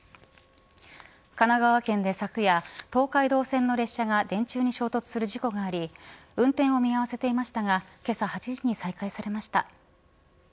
神奈川県で昨夜東海道線の列車が電柱に衝突する事故があり運転を見合わせていましたがけさ８時に再開されました。